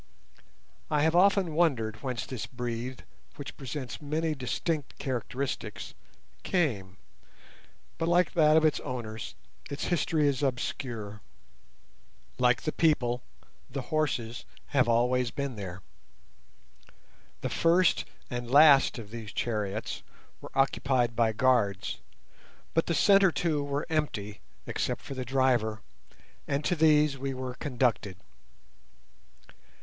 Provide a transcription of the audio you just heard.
I have often wondered whence this breed, which presents many distinct characteristics, came, but like that of its owners, its history is obscure. Like the people the horses have always been there. The first and last of these chariots were occupied by guards, but the centre two were empty, except for the driver, and to these we were conducted.